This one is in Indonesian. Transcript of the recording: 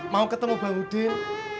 mau ketemu bang udin